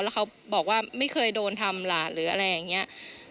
แล้วเขาบอกว่าไม่เคยโดนทำหลานหรืออะไรอย่างนี้